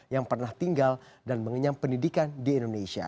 yang pernah tinggal dan mengenyam pendidikan di indonesia